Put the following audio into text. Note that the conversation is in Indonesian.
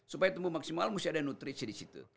supaya tumbuh maksimal mesti ada nutrisi disitu